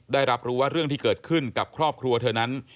ได้รับรู้ว่าเรื่องที่เกิดขึ้นกับครอบครัวเธอนั้น